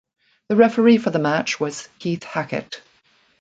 The referee for the match was Keith Hackett.